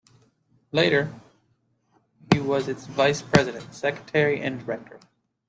Later, he was its vice-president, secretary and a director.